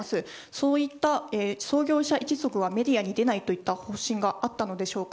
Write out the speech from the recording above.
そういった創業者一族はメディアに出ないという方針があったのでしょうか。